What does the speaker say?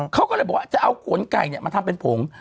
เขาก็เลยบอกว่าจะเอาขนไก่มาทำเป็นผง